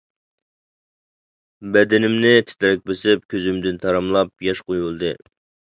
بەدىنىمنى تىترەك بېسىپ، كۆزۈمدىن تاراملاپ ياش قۇيۇلدى.